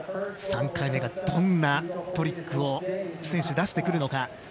３回目がどんなトリックをこの選手、出してくるのか。